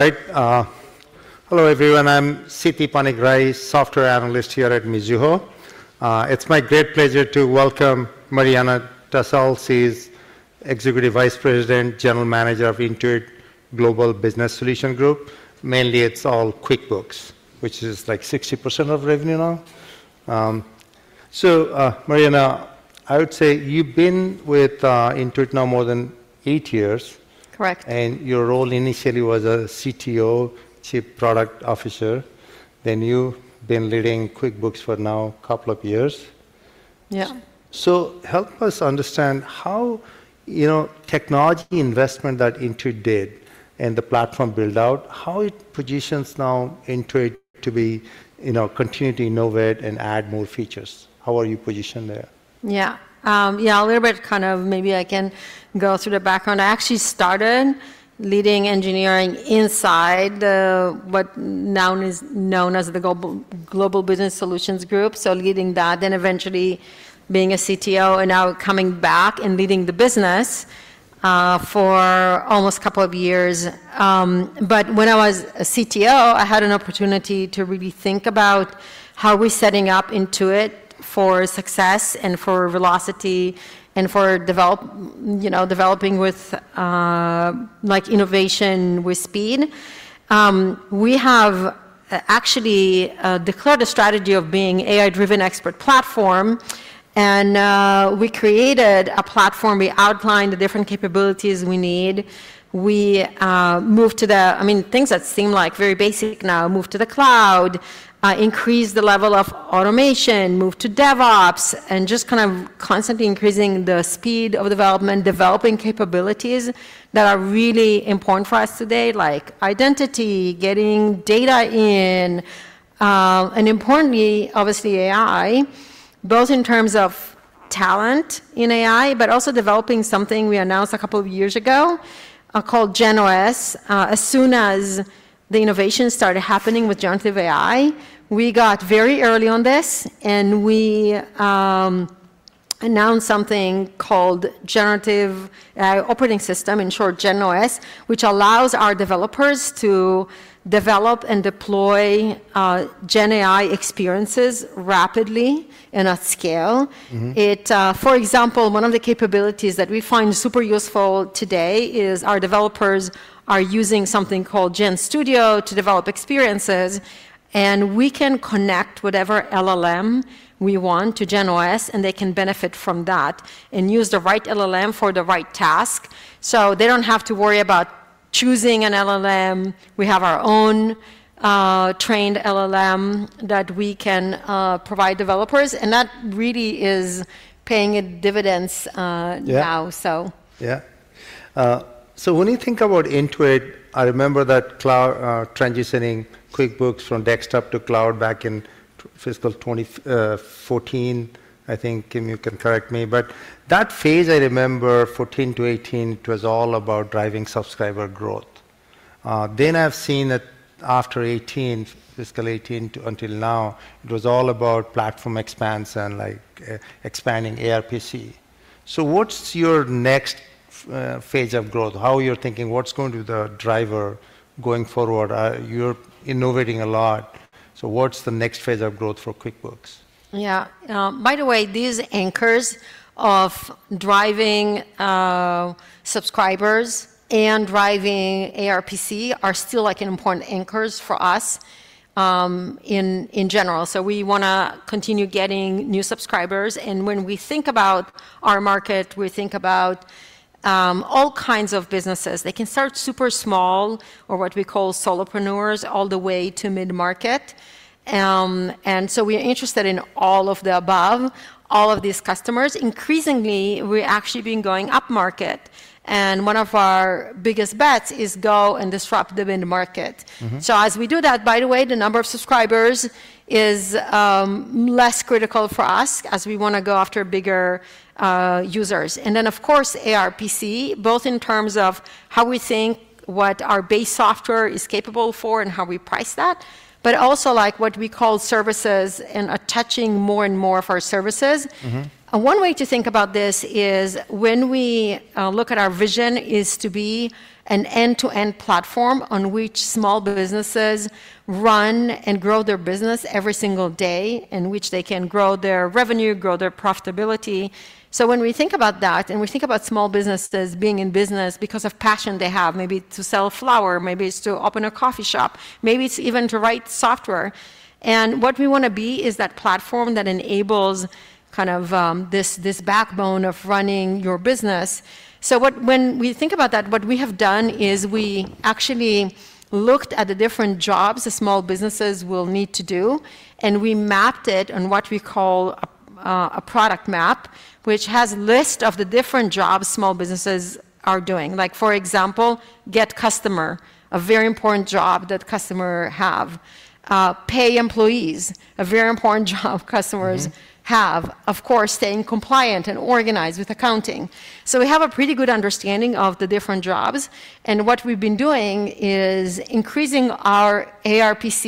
Right. Hello, everyone. I'm Siti Panigrahi, Software Analyst here at Mizuho. It's my great pleasure to welcome Marianna Tessel. She's Executive Vice President, General Manager of Intuit Global Business Solutions Group. Mainly, it's all QuickBooks, which is like 60% of revenue now. Marianna, I would say you've been with Intuit now more than eight years. Correct. Your role initially was a CTO, Chief Product Officer. Then you've been leading QuickBooks for now a couple of years. Yeah. Help us understand how technology investment that Intuit did and the platform build-out, how it positions now Intuit to be continuing to innovate and add more features. How are you positioned there? Yeah. Yeah, a little bit kind of maybe I can go through the background. I actually started leading engineering inside what now is known as the Global Business Solutions Group, so leading that, then eventually being a CTO, and now coming back and leading the business for almost a couple of years. When I was a CTO, I had an opportunity to really think about how we're setting up Intuit for success and for velocity and for developing with innovation with speed. We have actually declared a strategy of being an AI-driven expert platform. We created a platform. We outlined the different capabilities we need. We moved to the, I mean, things that seem like very basic now, moved to the cloud, increased the level of automation, moved to DevOps, and just kind of constantly increasing the speed of development, developing capabilities that are really important for us today, like identity, getting data in, and importantly, obviously, AI, both in terms of talent in AI, but also developing something we announced a couple of years ago called GenOS. As soon as the innovation started happening with generative AI, we got very early on this. We announced something called Generative AI Operating System, in short, GenOS, which allows our developers to develop and deploy GenAI experiences rapidly and at scale. For example, one of the capabilities that we find super useful today is our developers are using something called GenStudio to develop experiences. We can connect whatever LLM we want to GenOS, and they can benefit from that and use the right LLM for the right task. They do not have to worry about choosing an LLM. We have our own trained LLM that we can provide developers. That really is paying its dividends now. Yeah. So when you think about Intuit, I remember that cloud transitioning QuickBooks from desktop to cloud back in fiscal 2014. I think, Kim, you can correct me. That phase, I remember, 2014–2018, it was all about driving subscriber growth. Then I've seen that after 2018, fiscal 2018 until now, it was all about platform expansion, like expanding ARPC. What's your next phase of growth? How are you thinking? What's going to be the driver going forward? You're innovating a lot. What's the next phase of growth for QuickBooks? Yeah. By the way, these anchors of driving subscribers and driving ARPC are still like important anchors for us in general. We want to continue getting new subscribers. When we think about our market, we think about all kinds of businesses. They can start super small, or what we call solopreneurs, all the way to mid-market. We are interested in all of the above, all of these customers. Increasingly, we're actually going upmarket. One of our biggest bets is go and disrupt the mid-market. As we do that, by the way, the number of subscribers is less critical for us as we want to go after bigger users. Of course, ARPC, both in terms of how we think what our base software is capable for and how we price that, but also like what we call services and attaching more and more of our services. One way to think about this is when we look at our vision is to be an end-to-end platform on which small businesses run and grow their business every single day, in which they can grow their revenue, grow their profitability. When we think about that and we think about small businesses being in business because of passion they have, maybe it's to sell flour, maybe it's to open a coffee shop, maybe it's even to write software. What we want to be is that platform that enables kind of this backbone of running your business. When we think about that, what we have done is we actually looked at the different jobs small businesses will need to do. We mapped it on what we call a product map, which has a list of the different jobs small businesses are doing. Like, for example, get customer, a very important job that customers have. Pay employees, a very important job customers have. Of course, staying compliant and organized with accounting. We have a pretty good understanding of the different jobs. What we've been doing is increasing our ARPC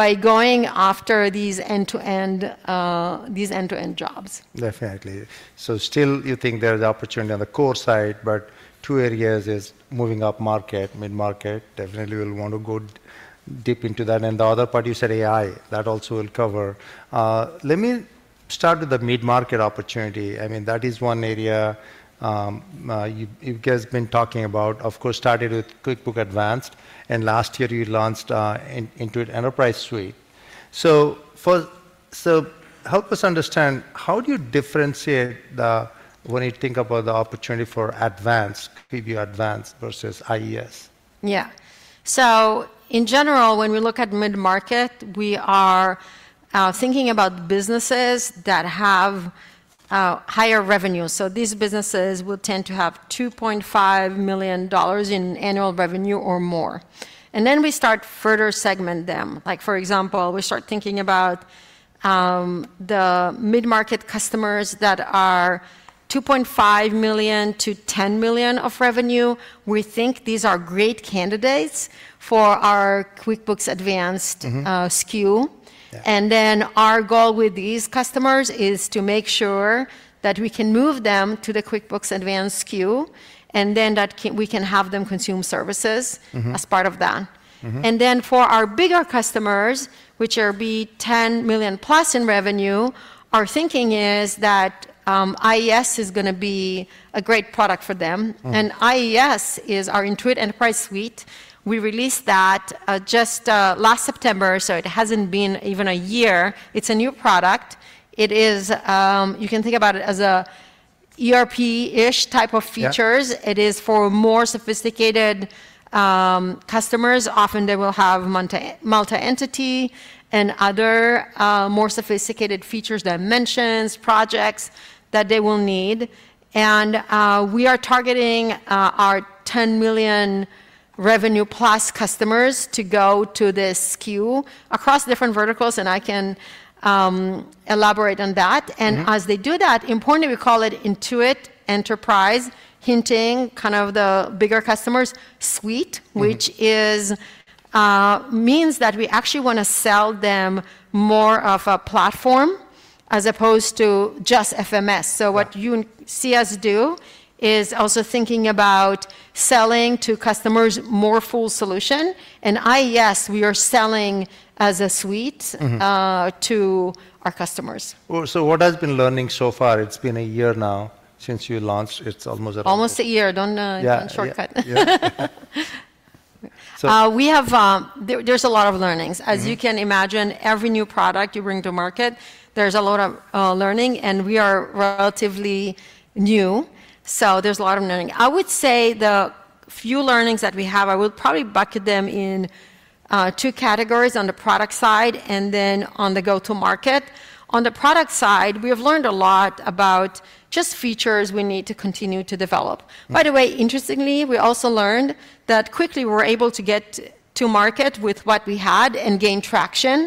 by going after these end-to-end jobs. Definitely. Still, you think there's opportunity on the core side, but two areas is moving upmarket, mid-market. Definitely, we'll want to go deep into that. The other part, you said AI, that also we'll cover. Let me start with the mid-market opportunity. I mean, that is one area you guys have been talking about. Of course, started with QuickBooks Advanced. Last year, you launched Intuit Enterprise Suite. Help us understand, how do you differentiate when you think about the opportunity for Advanced, preview Advanced versus IES? Yeah. In general, when we look at mid-market, we are thinking about businesses that have higher revenue. These businesses will tend to have $2.5 million in annual revenue or more. We start further segmenting them. For example, we start thinking about the mid-market customers that are $2.5 million–$10 million of revenue. We think these are great candidates for our QuickBooks Advanced SKU. Our goal with these customers is to make sure that we can move them to the QuickBooks Advanced SKU, and that we can have them consume services as part of that. For our bigger customers, which are $10 million plus in revenue, our thinking is that IES is going to be a great product for them. IES is our Intuit Enterprise Suite. We released that just last September, so it hasn't been even a year. It's a new product. You can think about it as a ERP-ish type of features. It is for more sophisticated customers. Often, they will have multi-entity and other more sophisticated features, dimensions, projects that they will need. We are targeting our $10 million revenue plus customers to go to this SKU across different verticals. I can elaborate on that. As they do that, importantly, we call it Intuit Enterprise, hinting kind of the bigger customers' suite, which means that we actually want to sell them more of a platform as opposed to just FMS. What you see us do is also thinking about selling to customers more full solution. IES, we are selling as a suite to our customers. What has been learning so far? It's been a year now since you launched. It's almost. Almost a year. Don't shortcut. Yeah. There's a lot of learnings. As you can imagine, every new product you bring to market, there's a lot of learning. We are relatively new, so there's a lot of learning. I would say the few learnings that we have, I would probably bucket them in two categories: on the product side and then on the go-to-market. On the product side, we have learned a lot about just features we need to continue to develop. By the way, interestingly, we also learned that quickly we were able to get to market with what we had and gain traction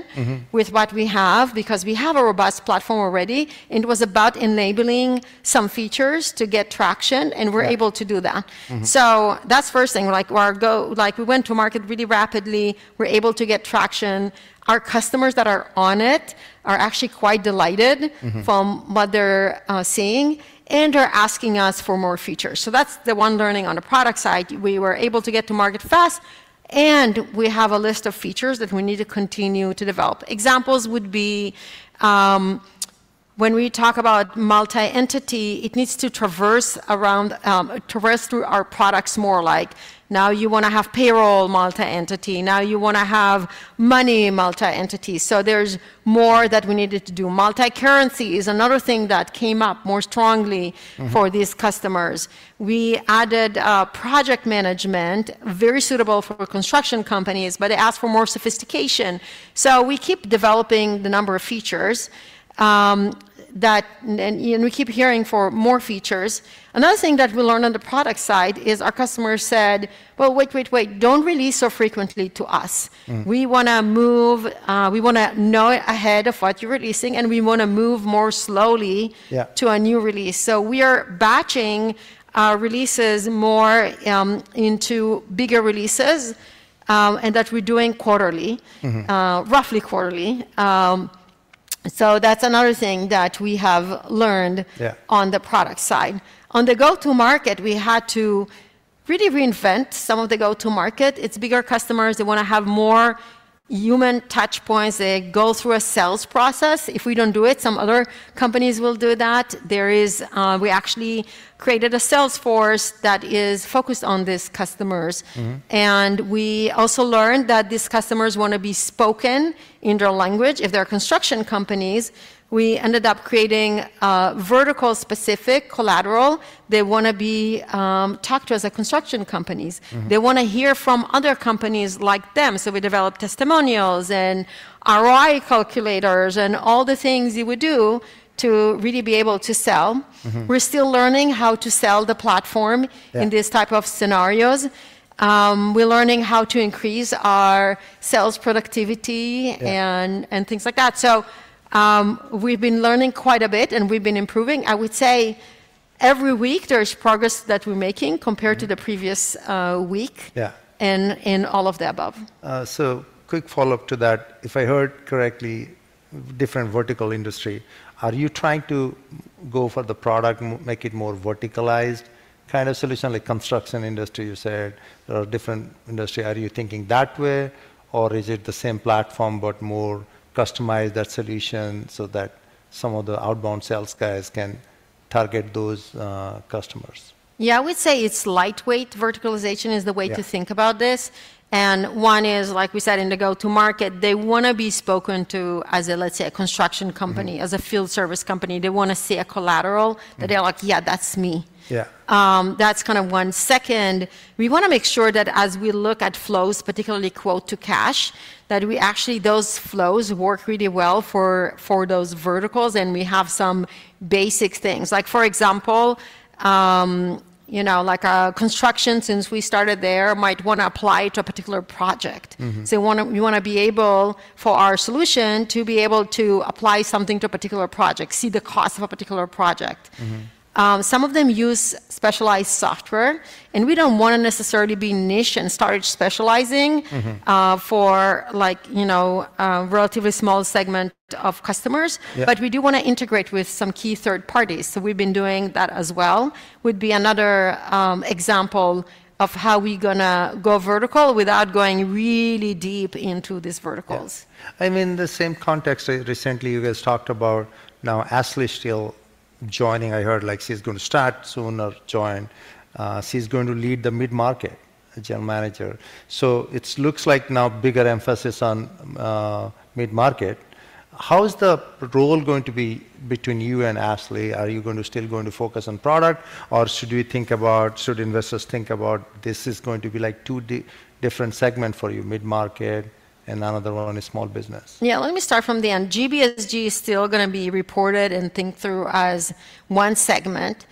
with what we have because we have a robust platform already. It was about enabling some features to get traction, and we were able to do that. That's the first thing. We went to market really rapidly. We were able to get traction. Our customers that are on it are actually quite delighted from what they're seeing and are asking us for more features. That's the one learning on the product side. We were able to get to market fast. We have a list of features that we need to continue to develop. Examples would be when we talk about multi-entity, it needs to traverse through our products more. Like, now you want to have payroll multi-entity. Now you want to have money multi-entity. There's more that we needed to do. Multi-currency is another thing that came up more strongly for these customers. We added project management, very suitable for construction companies, but it asked for more sophistication. We keep developing the number of features that we keep hearing for more features. Another thing that we learned on the product side is our customers said, wait, wait, wait. Don't release so frequently to us. We want to know ahead of what you're releasing. We want to move more slowly to a new release. We are batching our releases more into bigger releases and that we're doing quarterly, roughly quarterly. That's another thing that we have learned on the product side. On the go-to-market, we had to really reinvent some of the go-to-market. It's bigger customers. They want to have more human touch points. They go through a sales process. If we don't do it, some other companies will do that. We actually created a sales force that is focused on these customers. We also learned that these customers want to be spoken in their language. If they're construction companies, we ended up creating a vertical-specific collateral. They want to be talked to as construction companies. They want to hear from other companies like them. We developed testimonials and ROI calculators and all the things you would do to really be able to sell. We're still learning how to sell the platform in these types of scenarios. We're learning how to increase our sales productivity and things like that. We've been learning quite a bit. We've been improving. I would say every week, there is progress that we're making compared to the previous week and all of the above. Quick follow-up to that. If I heard correctly, different vertical industry. Are you trying to go for the product, make it more verticalized kind of solution, like construction industry, you said, or different industry? Are you thinking that way? Or is it the same platform but more customized that solution so that some of the outbound sales guys can target those customers? Yeah. I would say it's lightweight verticalization is the way to think about this. One is, like we said in the go-to-market, they want to be spoken to as a, let's say, a construction company, as a field service company. They want to see a collateral that they're like, yeah, that's me. That's kind of one. Second, we want to make sure that as we look at flows, particularly quote to cash, that we actually, those flows work really well for those verticals. We have some basic things. For example, like construction, since we started there, might want to apply to a particular project. We want to be able, for our solution, to be able to apply something to a particular project, see the cost of a particular project. Some of them use specialized software. We do not want to necessarily be niche and start specializing for a relatively small segment of customers. We do want to integrate with some key third parties. We have been doing that as well, which would be another example of how we are going to go vertical without going really deep into these verticals. I mean, in the same context, recently, you guys talked about now Ashley still joining. I heard like she's going to start soon or join. She's going to lead the mid-market General Manager. It looks like now bigger emphasis on mid-market. How is the role going to be between you and Ashley? Are you still going to focus on product? Or should we think about, should investors think about this is going to be like two different segments for you, mid-market and another one is small business? Yeah. Let me start from the end. GBSG is still going to be reported and think through as one segment.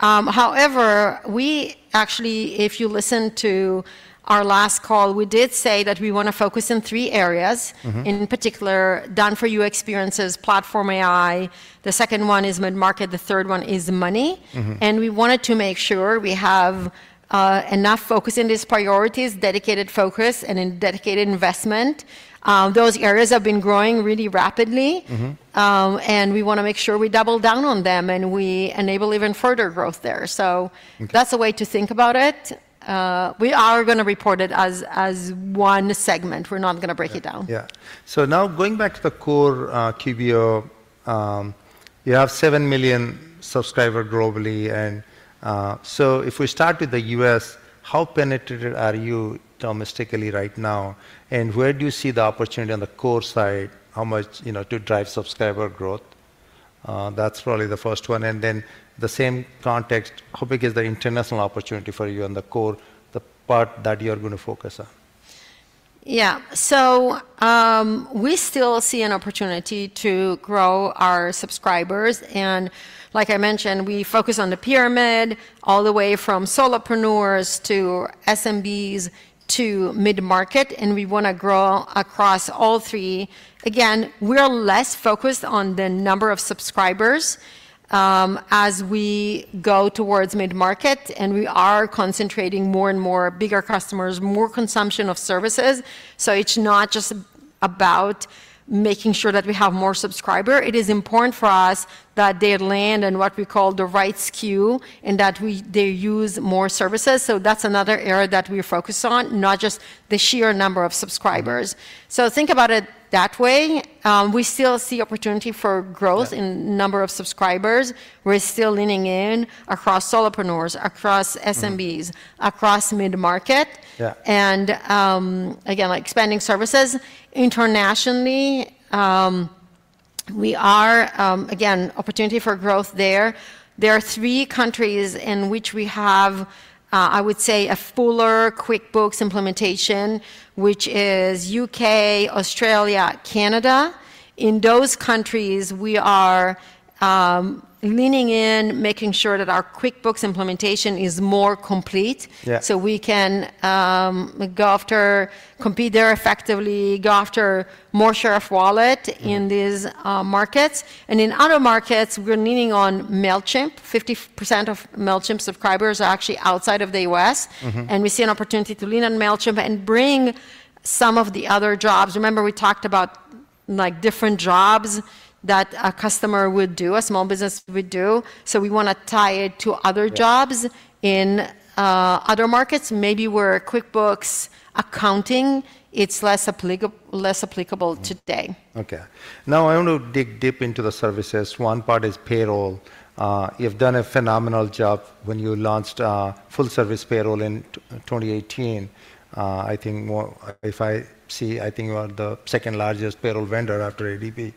However, we actually, if you listen to our last call, we did say that we want to focus in three areas, in particular, done-for-your experiences, Platform AI. The second one is mid-market. The third one is money. We wanted to make sure we have enough focus in these priorities, dedicated focus, and dedicated investment. Those areas have been growing really rapidly. We want to make sure we double down on them and we enable even further growth there. That is a way to think about it. We are going to report it as one segment. We are not going to break it down. Yeah. Now going back to the core QBO, you have 7 million subscribers globally. If we start with the U.S., how penetrated are you domestically right now? Where do you see the opportunity on the core side? How much to drive subscriber growth? That's probably the first one. In the same context, how big is the international opportunity for you on the core, the part that you're going to focus on? Yeah. We still see an opportunity to grow our subscribers. Like I mentioned, we focus on the pyramid all the way from solopreneurs to SMBs to mid-market. We want to grow across all three. Again, we're less focused on the number of subscribers as we go towards mid-market. We are concentrating more and more on bigger customers, more consumption of services. It is not just about making sure that we have more subscribers. It is important for us that they land on what we call the right SKU and that they use more services. That is another area that we are focused on, not just the sheer number of subscribers. Think about it that way. We still see opportunity for growth in number of subscribers. We're still leaning in across solopreneurs, across SMBs, across mid-market. Again, like expanding services internationally, we are, again, opportunity for growth there. There are three countries in which we have, I would say, a fuller QuickBooks implementation, which is UK, Australia, Canada. In those countries, we are leaning in, making sure that our QuickBooks implementation is more complete so we can go after, compete there effectively, go after more share of wallet in these markets. In other markets, we're leaning on Mailchimp. 50% of Mailchimp subscribers are actually outside of the U.S. We see an opportunity to lean on Mailchimp and bring some of the other jobs. Remember, we talked about different jobs that a customer would do, a small business would do. We want to tie it to other jobs in other markets. Maybe where QuickBooks accounting, it's less applicable today. OK. Now I want to dig deep into the services. One part is payroll. You've done a phenomenal job when you launched full-service payroll in 2018. I think, if I see, I think you are the second largest payroll vendor after ADP.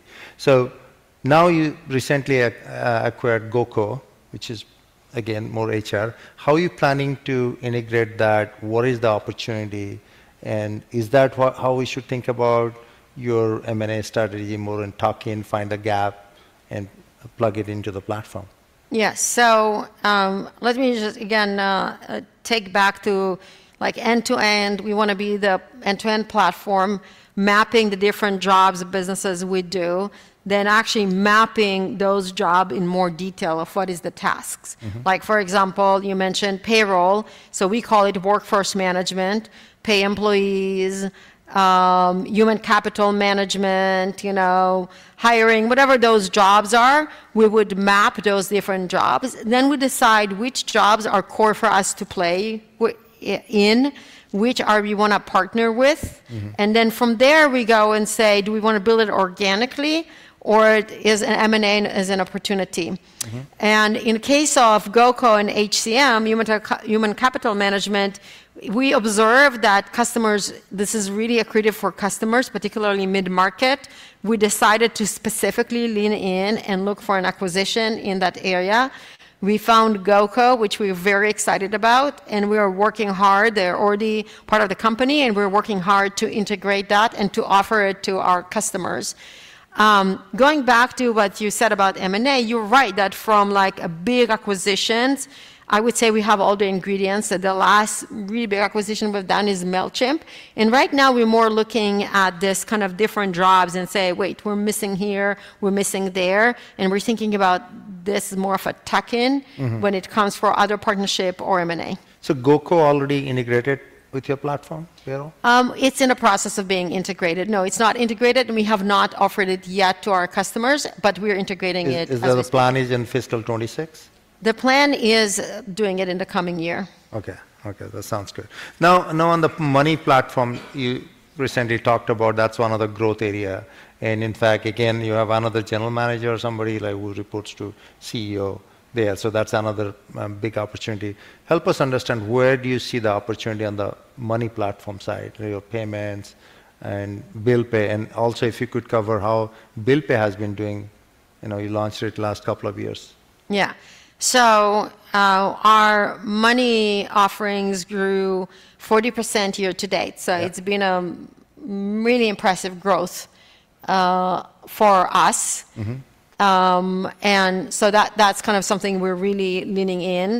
Now you recently acquired GoCo, which is, again, more HR. How are you planning to integrate that? What is the opportunity? Is that how we should think about your M&A strategy more, find a gap, and plug it into the platform? Yes. Let me just, again, take back to end-to-end. We want to be the end-to-end platform, mapping the different jobs and businesses we do, then actually mapping those jobs in more detail of what is the tasks. Like, for example, you mentioned payroll. We call it workforce management, pay employees, human capital management, hiring, whatever those jobs are. We would map those different jobs. We decide which jobs are core for us to play in, which are we want to partner with. From there, we go and say, do we want to build it organically or is an M&A as an opportunity? In the case of GoCo and HCM, human capital management, we observed that this is really accretive for customers, particularly mid-market. We decided to specifically lean in and look for an acquisition in that area. We found GoCo, which we are very excited about. We are working hard. They are already part of the company. We are working hard to integrate that and to offer it to our customers. Going back to what you said about M&A, you are right that from like big acquisitions, I would say we have all the ingredients. The last really big acquisition we have done is Mailchimp. Right now, we are more looking at these kind of different jobs and say, wait, we are missing here, we are missing there. We are thinking about this as more of a tuck-in when it comes for other partnership or M&A. GoCo already integrated with your platform payroll? It's in the process of being integrated. No, it's not integrated. We have not offered it yet to our customers. We are integrating it. The plan is in fiscal 2026? The plan is doing it in the coming year. OK. OK. That sounds good. Now on the money platform, you recently talked about that's one of the growth areas. In fact, again, you have another general manager or somebody who reports to CEO there. That is another big opportunity. Help us understand where do you see the opportunity on the money platform side, your payments and Bill Pay. Also, if you could cover how Bill Pay has been doing. You launched it last couple of years. Yeah. Our money offerings grew 40% year to date. It has been a really impressive growth for us. That is kind of something we are really leaning in.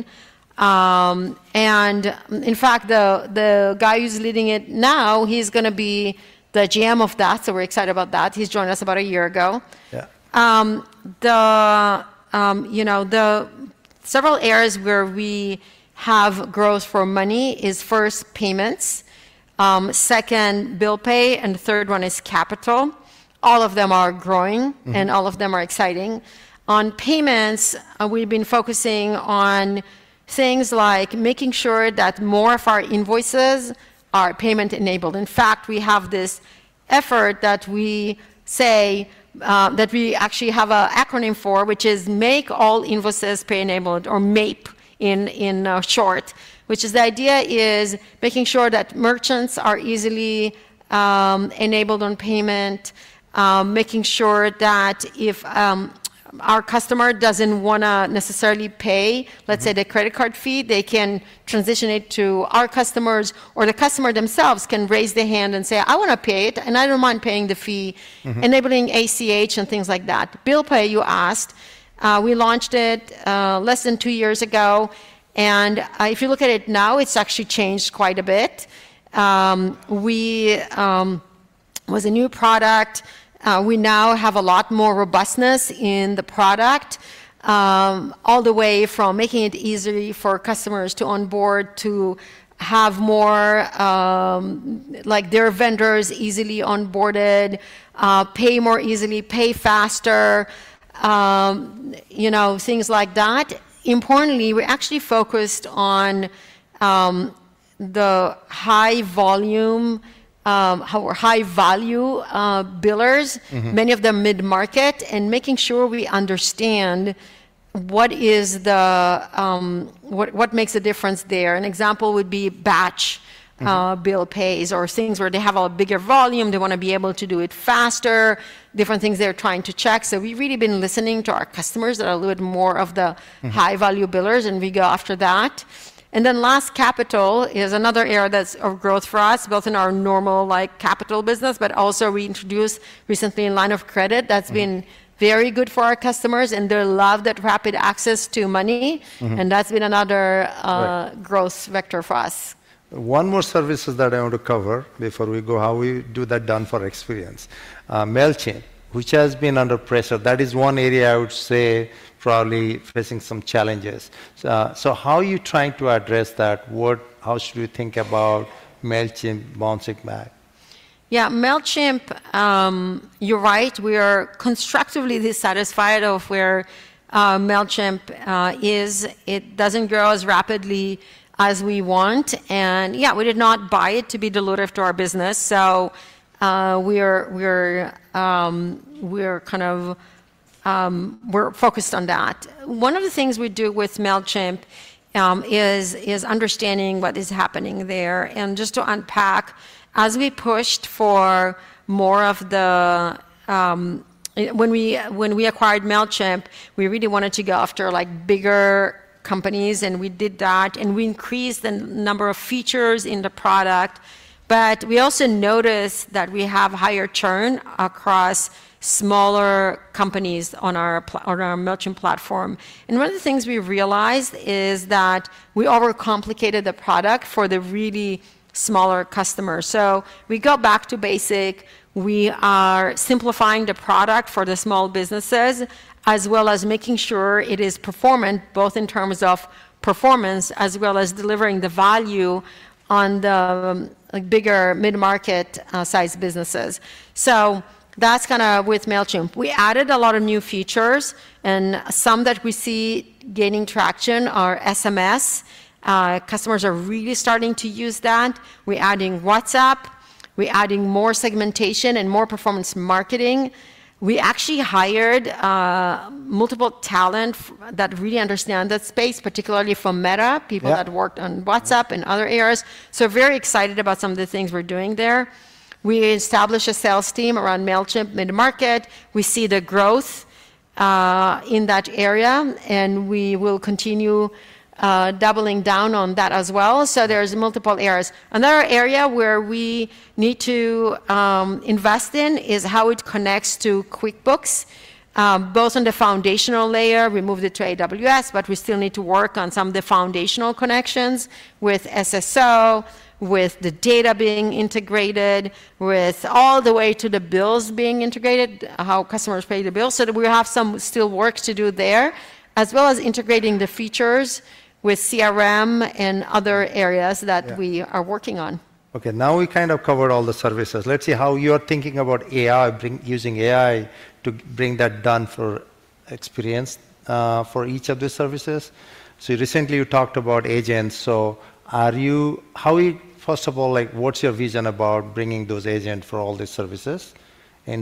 In fact, the guy who is leading it now, he is going to be the GM of that. We are excited about that. He joined us about a year ago. Several areas where we have growth for money are first Payments, second Bill Pay, and the third one is Capital. All of them are growing. All of them are exciting. On payments, we have been focusing on things like making sure that more of our invoices are payment-enabled. In fact, we have this effort that we say that we actually have an acronym for, which is Make All Invoices Pay Enabled or MAPE in short, which is the idea is making sure that merchants are easily enabled on payment, making sure that if our customer does not want to necessarily pay, let's say, the credit card fee, they can transition it to our customers. Or the customer themselves can raise their hand and say, I want to pay it. And I do not mind paying the fee, enabling ACH and things like that. Bill Pay, you asked. We launched it less than two years ago. If you look at it now, it has actually changed quite a bit. It was a new product. We now have a lot more robustness in the product, all the way from making it easier for customers to onboard to have more like their vendors easily onboarded, pay more easily, pay faster, things like that. Importantly, we're actually focused on the high volume, high value billers, many of them mid-market, and making sure we understand what makes a difference there. An example would be batch bill pays or things where they have a bigger volume. They want to be able to do it faster, different things they're trying to check. We've really been listening to our customers that are a little bit more of the high value billers. We go after that. Last, Capital is another area that's of growth for us, both in our normal Capital business, but also we introduced recently in line of credit. That's been very good for our customers. They love that rapid access to money. That's been another growth vector for us. One more service that I want to cover before we go, how we do that done for experience, Mailchimp, which has been under pressure. That is one area I would say probably facing some challenges. How are you trying to address that? How should we think about Mailchimp, bouncing back? Yeah. Mailchimp, you're right. We are constructively dissatisfied of where Mailchimp is. It doesn't grow as rapidly as we want. Yeah, we did not buy it to be delivered to our business. We are kind of focused on that. One of the things we do with Mailchimp is understanding what is happening there. Just to unpack, as we pushed for more of the when we acquired Mailchimp, we really wanted to go after bigger companies. We did that. We increased the number of features in the product. We also noticed that we have higher churn across smaller companies on our Mailchimp platform. One of the things we realized is that we overcomplicated the product for the really smaller customers. We go back to basic. We are simplifying the product for the small businesses, as well as making sure it is performant, both in terms of performance as well as delivering the value on the bigger mid-market size businesses. That is kind of with Mailchimp. We added a lot of new features. Some that we see gaining traction are SMS. Customers are really starting to use that. We are adding WhatsApp. We are adding more segmentation and more performance marketing. We actually hired multiple talent that really understand that space, particularly from Meta, people that worked on WhatsApp and other areas. Very excited about some of the things we are doing there. We established a sales team around Mailchimp mid-market. We see the growth in that area. We will continue doubling down on that as well. There are multiple areas. Another area where we need to invest in is how it connects to QuickBooks, both on the foundational layer. We moved it to AWS. We still need to work on some of the foundational connections with SSO, with the data being integrated, with all the way to the bills being integrated, how customers pay the bills. We have some still work to do there, as well as integrating the features with CRM and other areas that we are working on. OK. Now we kind of covered all the services. Let's see how you're thinking about AI, using AI to bring that done for experience for each of the services. Recently, you talked about agents. How, first of all, what's your vision about bringing those agents for all the services?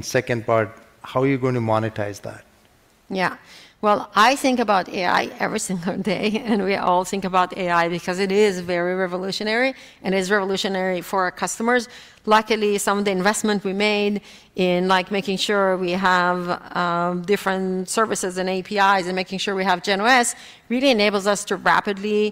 Second part, how are you going to monetize that? Yeah. I think about AI every single day. We all think about AI because it is very revolutionary. It is revolutionary for our customers. Luckily, some of the investment we made in making sure we have different services and APIs and making sure we have GenOS really enables us to rapidly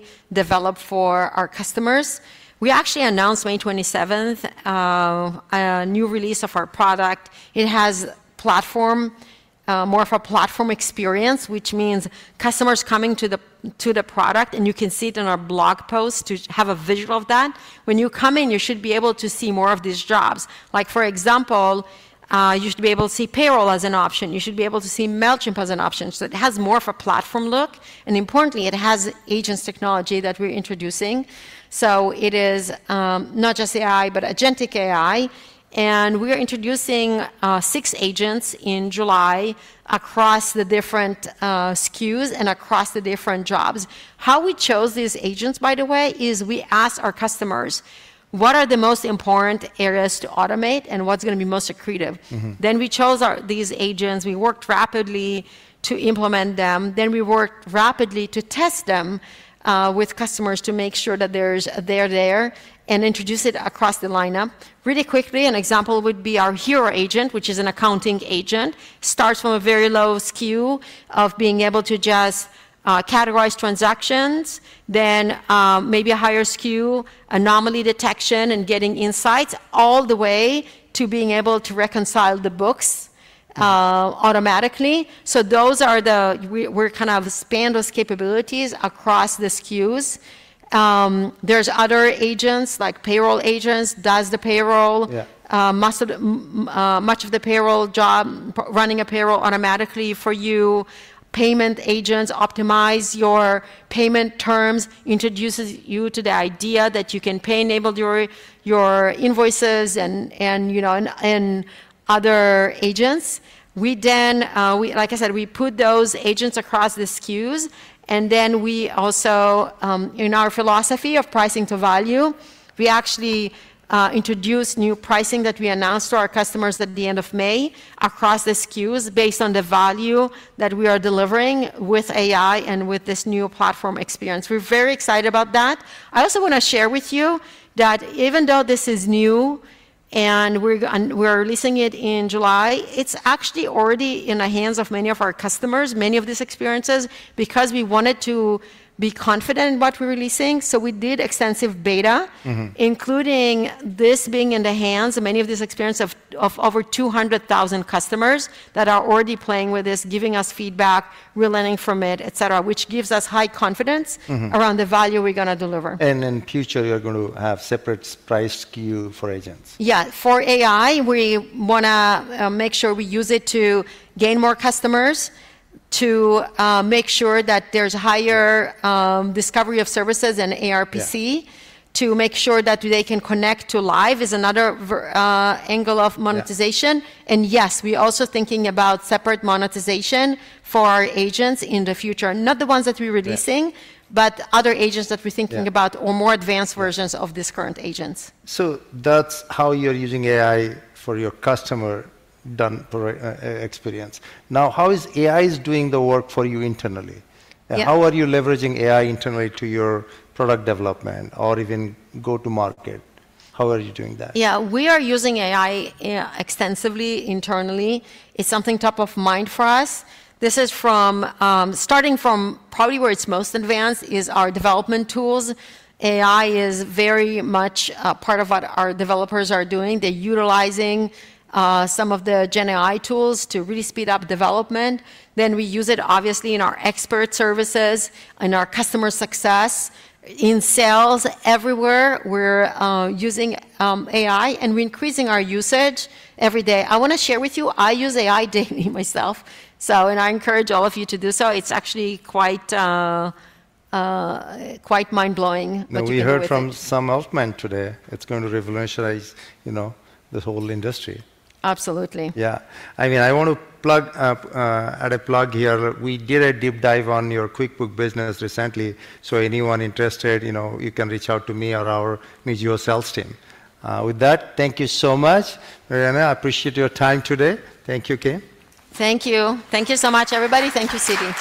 develop for our customers. We actually announced May 27 a new release of our product. It has more of a platform experience, which means customers coming to the product. You can see it in our blog post to have a visual of that. When you come in, you should be able to see more of these jobs. Like, for example, you should be able to see payroll as an option. You should be able to see Mailchimp as an option. It has more of a platform look. Importantly, it has agents technology that we're introducing. It is not just AI, but agentic AI. We are introducing six agents in July across the different SKUs and across the different jobs. How we chose these agents, by the way, is we asked our customers what are the most important areas to automate and what's going to be most accretive. We chose these agents. We worked rapidly to implement them. We worked rapidly to test them with customers to make sure that they're there and introduce it across the lineup. Really quickly, an example would be our hero agent, which is an accounting agent, starts from a very low SKU of being able to just categorize transactions, then maybe a higher SKU, anomaly detection, and getting insights, all the way to being able to reconcile the books automatically. Those are the we're kind of spanned those capabilities across the SKUs. There are other agents, like payroll agents, does the payroll, much of the payroll job, running a payroll automatically for you. Payment agents optimize your payment terms, introduces you to the idea that you can pay enable your invoices and other agents. Like I said, we put those agents across the SKUs. In our philosophy of pricing to value, we actually introduced new pricing that we announced to our customers at the end of May across the SKUs based on the value that we are delivering with AI and with this new platform experience. We're very excited about that. I also want to share with you that even though this is new and we're releasing it in July, it's actually already in the hands of many of our customers, many of these experiences, because we wanted to be confident in what we're releasing. We did extensive beta, including this being in the hands of many of these experiences of over 200,000 customers that are already playing with this, giving us feedback, relearning from it, et cetera, which gives us high confidence around the value we're going to deliver. In the future, you're going to have a separate price SKU for agents. Yeah. For AI, we want to make sure we use it to gain more customers, to make sure that there's higher discovery of services and ARPC, to make sure that they can connect to live is another angle of monetization. Yes, we're also thinking about separate monetization for our agents in the future, not the ones that we're releasing, but other agents that we're thinking about or more advanced versions of these current agents. That's how you're using AI for your customer done experience. Now, how is AI doing the work for you internally? How are you leveraging AI internally to your product development or even go-to-market? How are you doing that? Yeah. We are using AI extensively internally. It's something top of mind for us. This is starting from probably where it's most advanced is our development tools. AI is very much part of what our developers are doing. They're utilizing some of the GenAI tools to really speed up development. We use it, obviously, in our expert services, in our customer success, in sales everywhere. We're using AI. We're increasing our usage every day. I want to share with you, I use AI daily myself. I encourage all of you to do so. It's actually quite mind-blowing. We heard from some health men today. It's going to revolutionize the whole industry. Absolutely. Yeah. I mean, I want to add a plug here. We did a deep dive on your QuickBooks business recently. So anyone interested, you can reach out to me or our Mizuho Sales team. With that, thank you so much. Marianna, I appreciate your time today. Thank you, Kim. Thank you. Thank you so much, everybody. Thank you, Siti.